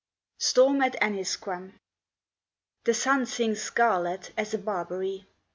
STORM AT ANNISQUAM The sun sinks scarlet as a barberry.